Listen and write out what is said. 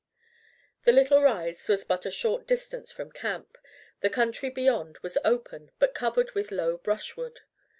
The little rise was but a short distance from camp, the country beyond was open but was covered with low brushwood.